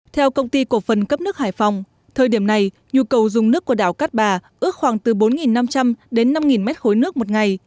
theo công ty cổ phần cấp nước hải phòng thời điểm này nhu cầu dùng nước của đảo cát bà ước khoảng từ bốn năm trăm linh đến năm mét khối nước một ngày